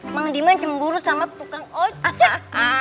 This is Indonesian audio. mang deman cemburu sama tukang ojek